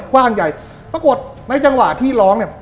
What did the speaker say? กว้างใหญ่ปรากฏในจังหวะที่ร้องเนี่ย